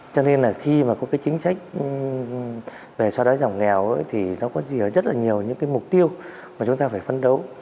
cho nên là khi mà có cái chính sách về xóa đói giảm nghèo thì nó có rất là nhiều những cái mục tiêu mà chúng ta phải phấn đấu